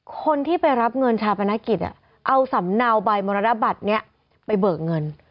คนที่ไปรับเงินชาปนกิจเอาสำเนาใบมรณบัตรนี้ไปเบิกเงิน